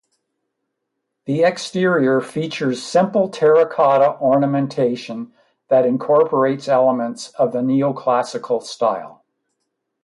The exterior features simple terra cotta ornamentation that incorporates elements of the Neoclassical style.